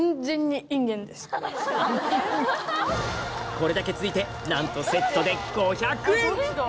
これだけ付いてなんとセットでやろまだ。